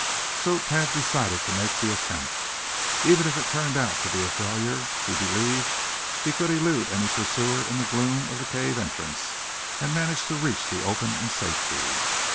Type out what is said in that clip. So Thad decided to make the attempt. Even if it turned out to be a failure he believed he could elude any pursuer in the gloom of the cave entrance, and manage to reach the open in safety.